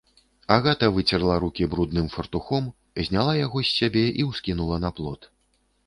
Агата выцерла рукі брудным фартухом, зняла яго з сябе і ўскінула на плот.